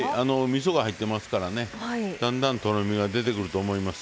みそが入ってますからだんだん、とろみが出てくると思います。